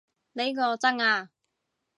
呢個真啊